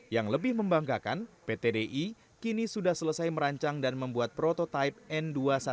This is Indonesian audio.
yang lebih membanggakan pt di kini sudah selesai merancang dan membuat prototipe n dua ratus dua belas